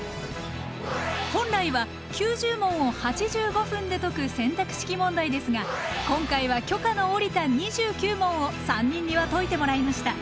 本来は９０問を８５分で解く選択式問題ですが今回は許可の下りた２９問を３人には解いてもらいました！